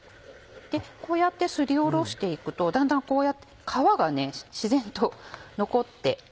こうやってすりおろして行くとだんだんこうやって皮が自然と残って。